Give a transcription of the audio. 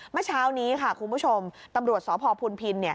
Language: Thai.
เมื่อเช้านี้ค่ะคุณผู้ชมตำรวจสพพุนพินเนี่ย